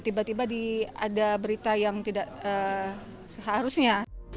tiba tiba ada berita yang tidak seharusnya